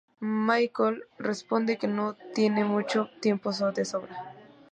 Michael responde que no tiene mucho tiempo de sobra.